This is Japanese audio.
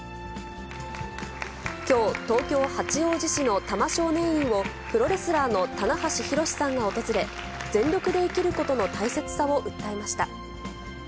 きょう、東京・八王子市の多摩少年院をプロレスラーの棚橋弘至さんが訪れ、全力で生きることの大切さを訴えました。